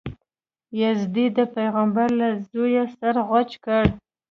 یزید د پیغمبر له زویه سر غوڅ کړی.